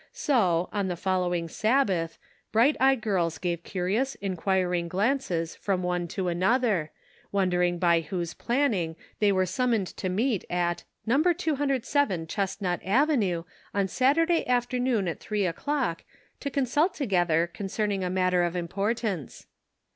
So, on the following Sabbath, bright eyed girls gave curious, inquiring glances from one to an other, wondering by whose planning they were summoned to meet at " No. 207 Chestnut Avenue, on Saturday afternoon at three o'clock, to consult together concerning a matter of importance."